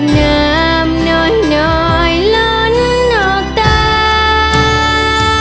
น้ำหน่อยหน่อยล้นอกตา